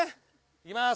いきます。